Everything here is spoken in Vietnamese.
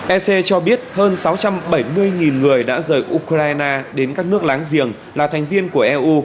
ec cho biết hơn sáu trăm bảy mươi người đã rời ukraine đến các nước láng giềng là thành viên của eu